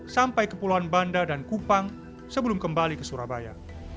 sampai kepulauan banda dan kupang sebelum kembali ke surabaya